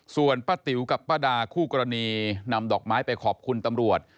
ส่วนป้าติ๋วกับป้าดาคู่กรณีนำดอกไม้ไปขอบคุณตำรวจ